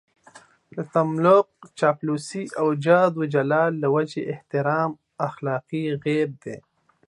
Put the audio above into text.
تملق، چاپلوسي او د جاه و جلال له وجهې احترام اخلاقي عيب دی.